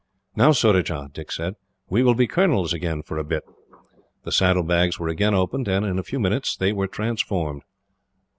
"Now, Surajah," Dick said, "we will be colonels again for a bit." The saddlebags were again opened, and in a few minutes they were transformed.